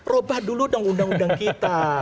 rubah dulu dong undang undang kita